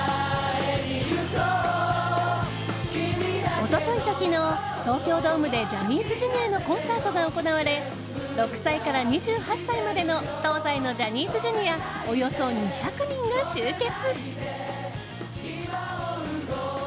一昨日と昨日、東京ドームでジャニーズＪｒ．のコンサートが行われ６歳から２８歳までの東西のジャニーズＪｒ．およそ２００人が集結。